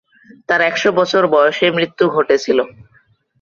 তাঁর একশো বছর বয়সে মৃত্যু ঘটেছিল।